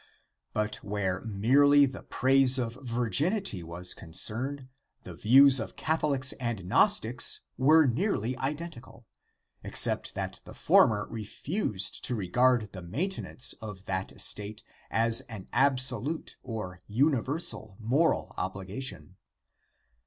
But where merely the praise of virginity was concerned the views of Catholics and Gnostics were nearly identical, except that the former re fused to regard the maintenance of that estate as an ab solute or universal moral obligation.